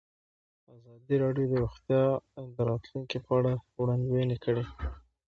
ازادي راډیو د روغتیا د راتلونکې په اړه وړاندوینې کړې.